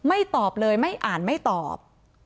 ตอบเลยไม่อ่านไม่ตอบ